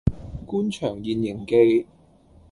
官場現形記